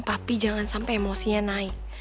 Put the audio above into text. papi jangan sampe emosinya naik